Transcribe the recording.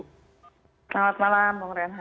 selamat malam bung renhat